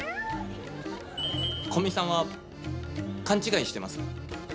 古見さんは勘違いしてます。